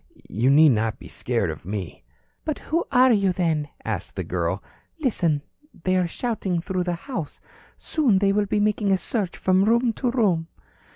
You need not be scared of me." "But who are you, then?" asked the girl. "Listen. They are shouting through the house. Soon they will be making a search from room to room."